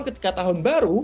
ketika tahun baru